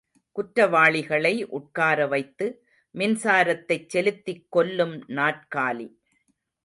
குற்றவாளிகளை உட்கார வைத்து மின்சாரத்தைச் செலுத்திக் கொல்லும் நாற்காலி.